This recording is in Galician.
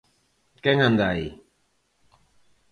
Quen anda aí?